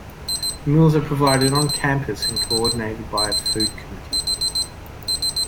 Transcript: Meals are provided on campus and coordinated by a food committee.